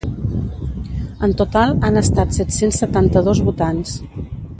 En total han estat set-cents setanta-dos votants.